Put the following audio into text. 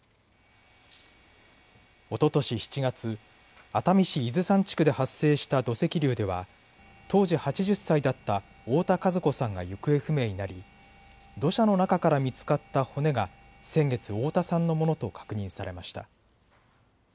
おととし７月熱海市伊豆山地区で発生した土石流では当時８０歳だった太田和子さんが行方不明になり土砂の中から見つかった骨が先月、太田さんのものと確認されました。